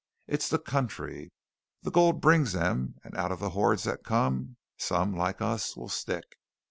It's the country. The gold brings them, and out of the hordes that come, some, like us, will stick.